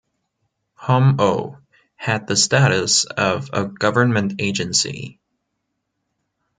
HomO had the status of a government agency.